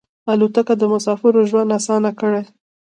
الوتکه د مسافرو ژوند اسانه کړی.